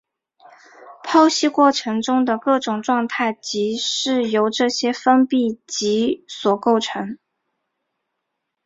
剖析过程中的各种状态即是由这些封闭集所构成。